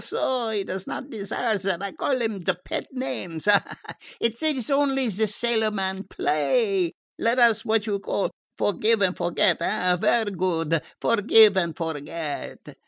So? He does not dee sire dat I call him pet names. Ha, ha! It is only ze sailorman play. Let us what you call forgive and forget, eh? Vaire good; forgive and forget."